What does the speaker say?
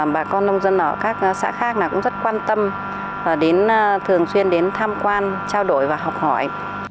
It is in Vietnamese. bà con nông dân ở các xã khác cũng rất quan tâm đến thường xuyên đến tham quan trao đổi và học hỏi